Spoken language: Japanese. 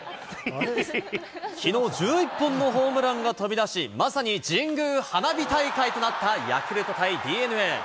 きのう、１１本のホームランが飛び出し、まさに神宮花火大会となったヤクルト対ＤｅＮＡ。